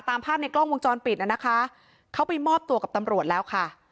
ตามภาพในกล้องวงจรปิดน่ะนะคะเขาไปมอบตัวกับตำรวจแล้วค่ะ